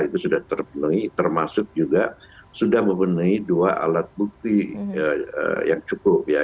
itu sudah terpenuhi termasuk juga sudah memenuhi dua alat bukti yang cukup ya